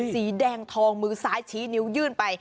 สีแดงทองมือซ้ายชี้นิ้วยื่นไป